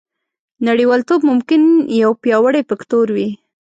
نړیوالتوب ممکن یو پیاوړی فکتور وي